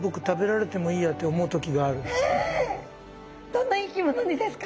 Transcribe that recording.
どんな生き物にですか？